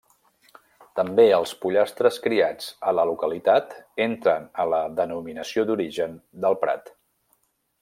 També els pollastres criats a la localitat entren a la denominació d'origen del Prat.